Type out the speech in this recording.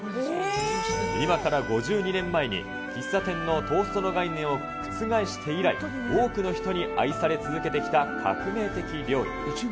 今から５２年前に喫茶店のトーストの概念を覆して以来、多くの人に愛され続けてきた革命的料理。